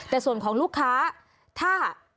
แต่ส่วนของลูกค้าถ้า